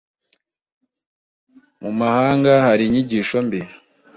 mu mahanga hari inyigisho mbi